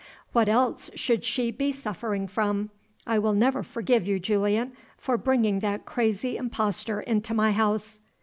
"What else should she be suffering from? I will never forgive you, Julian, for bringing that crazy impostor into my house."